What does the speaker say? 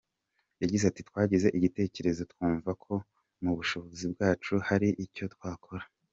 Yagize ati “Twagize igitekerezo, twumva ko mu bushobozi bwacu hari icyo twakora.